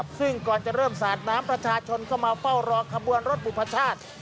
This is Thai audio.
ซึ่งก่อนจะเริ่มสาดน้ำประชาชนเข้ามาเฝ้ารอขบวนรถบุพชาติ